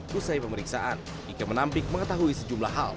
pusahi pemeriksaan iker menampik mengetahui sejumlah hal